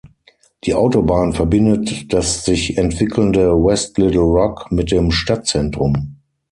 Die Autobahn verbindet das sich entwickelnde West Little Rock mit dem Stadtzentrum.